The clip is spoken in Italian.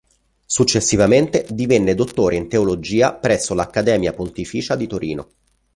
Successivamente divenne dottore in teologia presso l'Accademia pontificia di Torino.